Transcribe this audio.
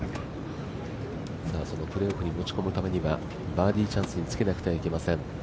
そのプレーオフに持ち込むためにはバーディーチャンスにつけなくてはいけません。